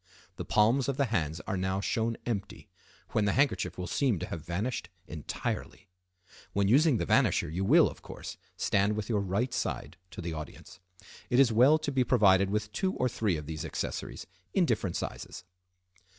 The palms of the hands are now shown empty, when the handkerchief will seem to have vanished entirely. When using the vanisher you will, of course, stand with your right side to the audience. It is well to be provided with two or three of these accessories, in different sizes.